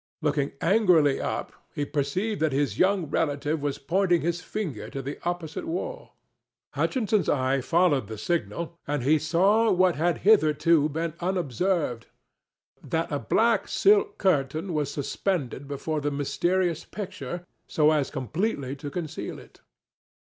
Looking angrily up, he perceived that his young relative was pointing his finger to the opposite wall. Hutchinson's eye followed the signal, and he saw what had hitherto been unobserved—that a black silk curtain was suspended before the mysterious picture, so as completely to conceal it.